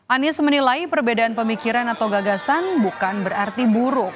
anies menilai perbedaan pemikiran atau gagasan bukan berarti buruk